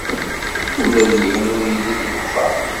Ula d yiwen ur yelli deg wexxam.